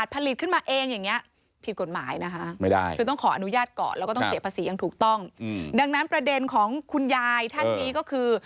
ประเด็นของคุณยายท่านนี้ก็คือ